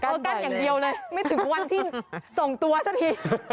กั้นอย่างเดียวเลยไม่ถึงวันที่ส่งตัวซะที